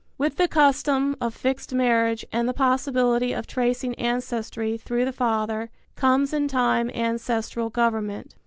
With the custom of fixed marriage and the possibility of tracing ancestry through the father, comes in time ancestral government.